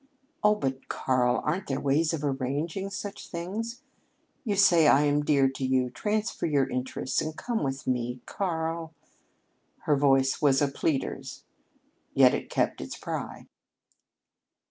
"Oh, but, Karl, aren't there ways of arranging such things? You say I am dear to you transfer your interests and come with me Karl!" Her voice was a pleader's, yet it kept its pride.